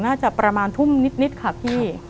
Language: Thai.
น่าจะประมาณทุ่มนิดค่ะพี่